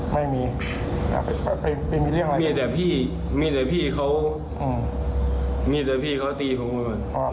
ไม่ไม่มีไปมีเรื่องอะไรมีแต่พี่เขามีแต่พี่เขาตีเขามาก่อน